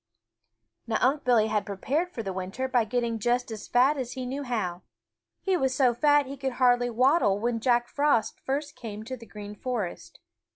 Now Unc' Billy had prepared for the winter by getting just as fat as he knew how. He was so fat that he could hardly waddle when Jack Frost first came to the Green Forest.